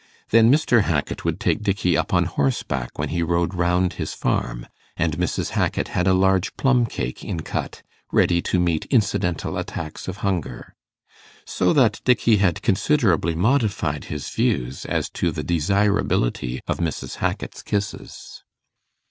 Then Mr. Hackit would take Dickey up on horseback when he rode round his farm, and Mrs. Hackit had a large plumcake in cut, ready to meet incidental attacks of hunger. So that Dickey had considerably modified his views as to the desirability of Mrs. Hackit's kisses.